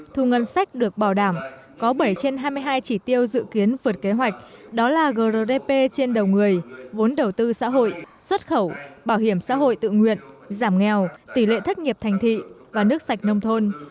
thu ngân sách được bảo đảm có bảy trên hai mươi hai chỉ tiêu dự kiến vượt kế hoạch đó là grdp trên đầu người vốn đầu tư xã hội xuất khẩu bảo hiểm xã hội tự nguyện giảm nghèo tỷ lệ thất nghiệp thành thị và nước sạch nông thôn